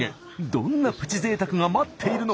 どんなプチ贅沢が待っているのか？